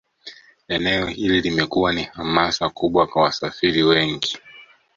Eneo hili limekuwa ni hamasa kubwa kwa wasafiri wengi